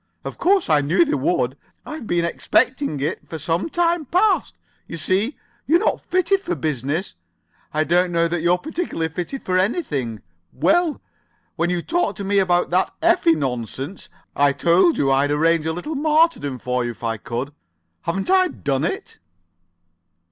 "Of course I knew they would. I've been expecting it for some time past. You see, you're not fitted for business. I don't know [Pg 76]that you're particularly fitted for anything. Well, when you talked to me about that Effie nonsense, I told you I'd arrange a little martyrdom for you if I could. Haven't I done it?"